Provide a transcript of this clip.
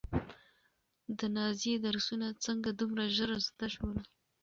د نازيې درسونه څنګه دومره ژر زده شول؟